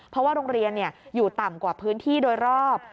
เพราะว่าโรงเรียนอยู่ต่ำกว่าพื้นที่โดยรอบ